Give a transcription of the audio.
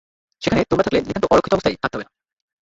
সেখানে তোমরা থাকলে নিতান্ত অরক্ষিত অবস্থায় থাকতে হবে না।